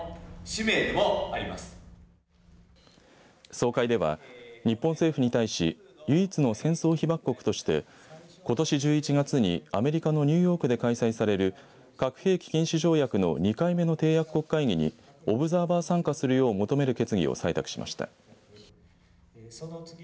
総会では日本政府に対し唯一の戦争被爆国としてことし１１月にアメリカのニューヨークで開催される核兵器禁止条約の２回目の締約国会議にオブザーバー参加するよう求める決議を採択しました。